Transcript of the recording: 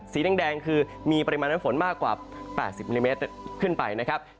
สีแดงคือมีปริมาณน้ำฝนมากกว่า๘๐มิลลิเมตรขึ้นไปนะครับ